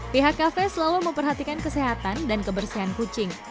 pihak kafe selalu memperhatikan kesehatan dan kebersihan kucing